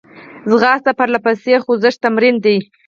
ځغاسته د پرلهپسې خوځښت تمرین دی